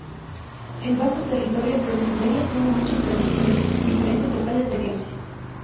El vasto territorio de Siberia tiene muchas tradiciones diferentes locales de dioses.